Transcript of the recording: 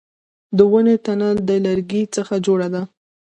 د ونې تنه د لرګي څخه جوړه ده